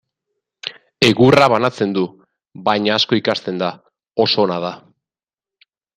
Egurra banatzen du, baina asko ikasten da, oso ona da.